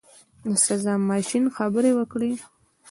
د سزا ماشین خبرې وکړې.